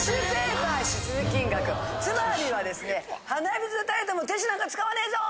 つまりはですね鼻水が垂れてもティッシュなんか使わねえぞ！